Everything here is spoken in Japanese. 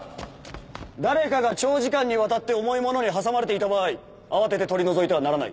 誰かが長時間にわたって重い物に挟まれていた場合慌てて取り除いてはならない。